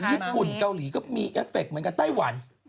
ญี่ปุ่นเกาหลีก็มีเอฟเฟคเหมือนกันไต้หวัน